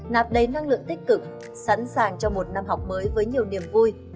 nạp đầy năng lượng tích cực sẵn sàng cho một năm học mới với nhiều niềm vui